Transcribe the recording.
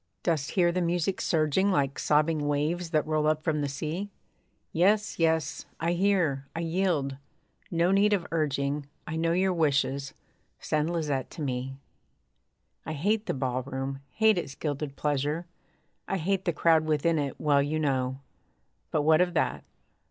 Dost hear the music surging Like sobbing waves that roll up from the sea? Yes, yes, I hear I yield no need of urging; I know your wishes, send Lisette to me. I hate the ballroom; hate its gilded pleasure; I hate the crowd within it, well you know; But what of that?